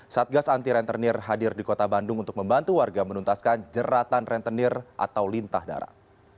satgas anti rentenir hadir di kota bandung untuk membantu warga menuntaskan jeratan rentenir atau lintah darah